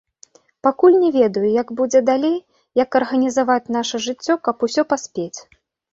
Пакуль не ведаю, як будзе далей, як арганізаваць наша жыццё, каб усё паспець.